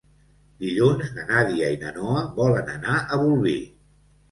Dilluns na Nàdia i na Noa volen anar a Bolvir.